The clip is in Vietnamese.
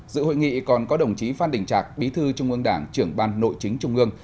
dự hội nghị còn có đồng chí phan đình trạc bí thư trung ương đảng trưởng ban nội chính trung ương